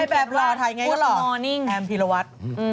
ได้แบบรอถ่ายไงก็หรอกแอมพีศวัสตร์